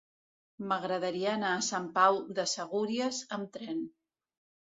M'agradaria anar a Sant Pau de Segúries amb tren.